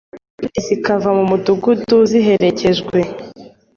kandi zikava mu mudugudu ziherekejwe,